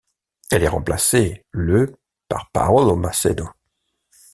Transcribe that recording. Elle est remplacée le par Paulo Macedo.